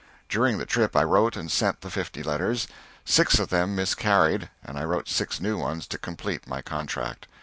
During the trip I wrote and sent the fifty letters; six of them miscarried, and I wrote six new ones to complete my contract.